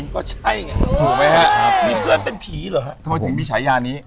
ก็ใช่ไงถูกไหมฮะมีเพื่อนเป็นผีเหรอฮะทำไมถึงมีฉายานี้